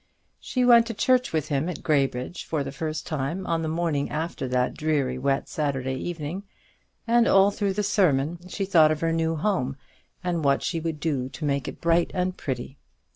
She went to church with him at Graybridge for the first time on the morning after that dreary wet Saturday evening; and all through the sermon she thought of her new home, and what she would do to make it bright and pretty.